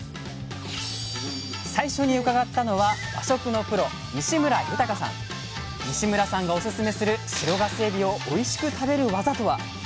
最初に伺ったのは西村さんがおすすめする白ガスエビをおいしく食べる技とは？